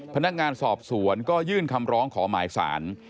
พนักงานสอบสวนก็ยื่นคำร้องขอหมายสาร